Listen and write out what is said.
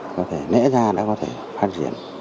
có thể lẽ ra đã có thể phát triển